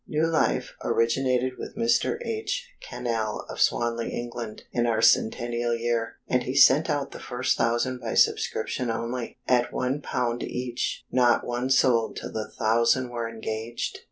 New Life originated with Mr. H. Cannell of Swanley England, in our Centennial year, and he sent out the first thousand by subscription only, at £1 each not one sold till the thousand were engaged!